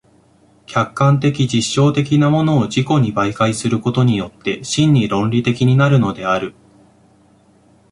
客観的実証的なものを自己に媒介することによって真に論理的になるのである。